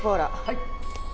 はい。